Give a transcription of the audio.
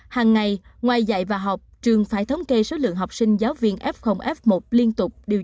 hàng ngày ngoài dạy và học trường phải thống kê số lượng học sinh giáo viên f f một liên tục điều